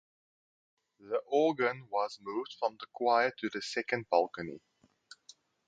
The organ was moved from the choir to the second balcony.